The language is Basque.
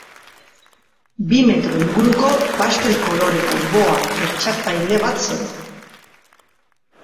Bi metro inguruko pastel koloreko boa hertsatzaile bat zen.